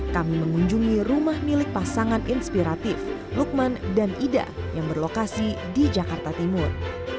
kami mengunjungi rumah milik pasangan inspiratif lukman dan ida yang berlokasi di jakarta timur